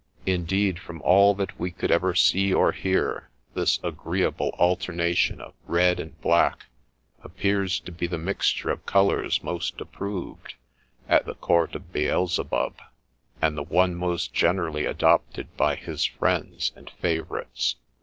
Indeed, from all that we could ever see or hear, this agreeable alternation of red and black appears to be the mixture of colours most approved, at the court of Beelzebub, and the one most generally adopted by his friends and favourites.